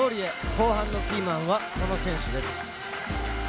後半のキーマンはこの選手です。